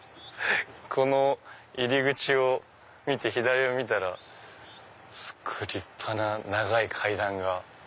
この入り口を見て左を見たらすごい立派な長い階段が。